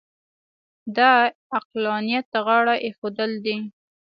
دا عقلانیت ته غاړه اېښودل دي.